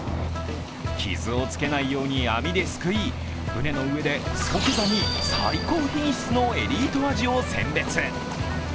傷をつけないように網ですくい、船のうえで即座に最高品質のエリートアジを選出。